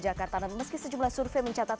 jakarta namun meski sejumlah survei mencatat